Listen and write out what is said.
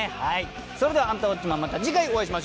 それでは『アンタウォッチマン！』また次回お会いしましょう。